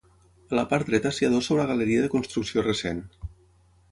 A la part dreta s'hi adossa una galeria de construcció recent.